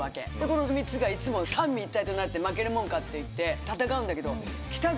この３つがいつも三位一体となって負けるもんかっていって戦うんだけど。